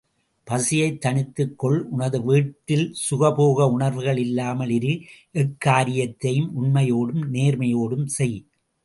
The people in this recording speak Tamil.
பசியைத் தணித்துக் கொள் உனது வீட்டில் சுகபோக உணர்வுகள் இல்லாமல் இரு, எக்காரியத்தையும் உண்மையோடும், நேர்மையோடும் செய்.